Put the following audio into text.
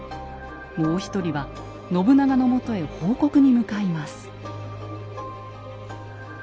もう一人は信長のもとへ報告に向かいます。